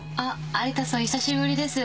有田さん久しぶりです。